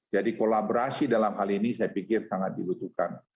jadi kolaborasi dalam hal ini saya pikir sangat dibutuhkan